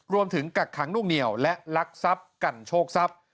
กักขังนุ่งเหนียวและลักทรัพย์กันโชคทรัพย์